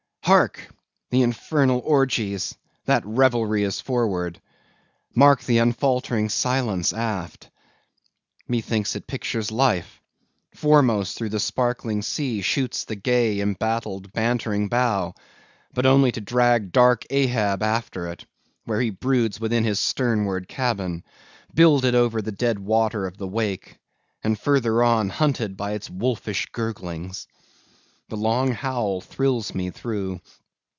Hark! the infernal orgies! that revelry is forward! mark the unfaltering silence aft! Methinks it pictures life. Foremost through the sparkling sea shoots on the gay, embattled, bantering bow, but only to drag dark Ahab after it, where he broods within his sternward cabin, builded over the dead water of the wake, and further on, hunted by its wolfish gurglings. The long howl thrills me through!